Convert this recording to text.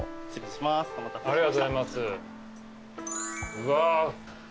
うわ。